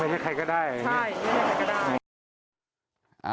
ไม่ใช่ใครก็ได้ใช่ไม่ใช่ใครก็ได้